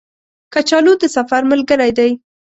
کچالو د سفر ملګری دی